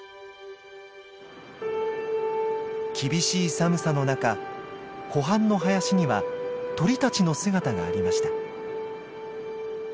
厳しい寒さの中湖畔の林には鳥たちの姿がありました。